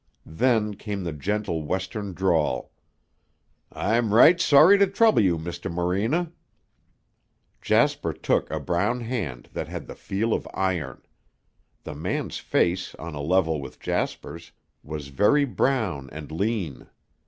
Then came the gentle Western drawl. "I'm right sorry to trouble you, Mr. Morena." Jasper took a brown hand that had the feel of iron. The man's face, on a level with Jasper's, was very brown and lean.